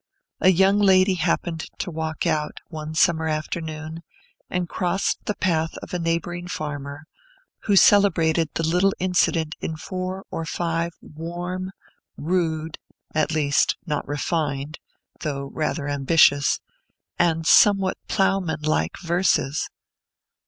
A young lady happened to walk out, one summer afternoon, and crossed the path of a neighboring farmer, who celebrated the little incident in four or five warm, rude, at least, not refined, though rather ambitious, and somewhat ploughman like verses.